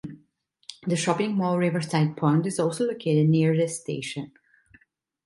The shopping mall Riverside Point is also located near this station.